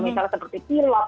misalnya seperti pilot